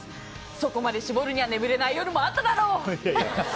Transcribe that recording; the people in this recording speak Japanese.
そこまで絞るには眠れない夜もあっただろう！